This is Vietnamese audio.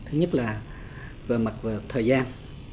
thứ nhất là về mặt thời gian